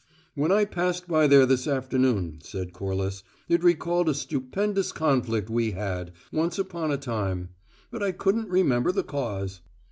"When I passed by there this afternoon," said Corliss, "it recalled a stupendous conflict we had, once upon a time; but I couldn't remember the cause."